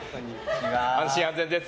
安心安全です。